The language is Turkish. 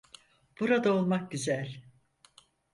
Burada olmak güzel.